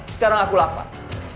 sekarang aku lapar